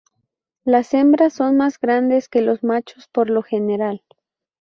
Las hembras son más grandes que los machos por lo general.